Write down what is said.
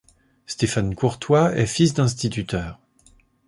Stéphane Courtois est fils d'instituteur.